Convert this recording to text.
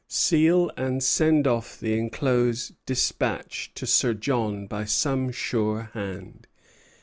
Seal and send off the enclosed despatch to Sir John by some sure hand.